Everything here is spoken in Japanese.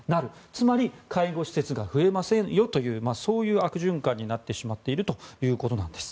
つまり、介護施設が増えませんよというそういう悪循環になってしまっているということなんです。